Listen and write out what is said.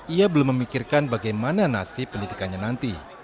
ia belum memikirkan bagaimana nasib pendidikannya nanti